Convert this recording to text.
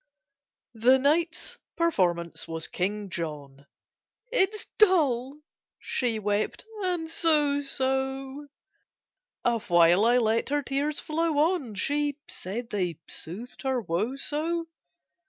The night's performance was "King John." "It's dull," she wept, "and so so!" Awhile I let her tears flow on, She said they soothed her woe so!